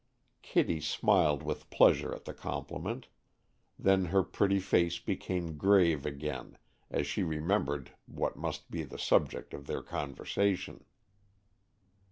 Kitty smiled with pleasure at the compliment, then her pretty face became grave again as she remembered what must be the subject of their conversation.